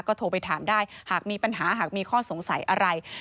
ก็โทรไปถามได้หากมีปัญหาหากมีข้อสงสัยอะไร